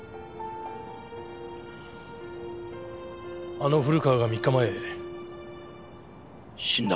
あの古川が３日前死んだ。